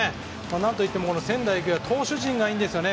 何といっても仙台育英は投手陣がいいんですよね。